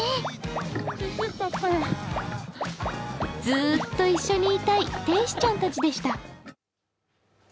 ずーっと一緒にいたい天使ちゃんたちでした。